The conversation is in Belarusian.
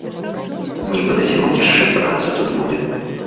Нібы да зімы яшчэ праца тут будзе.